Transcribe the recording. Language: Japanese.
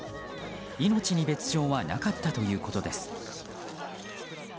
命に別条はなかったということです。